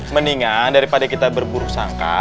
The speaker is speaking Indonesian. mendingan daripada kita berburu sangka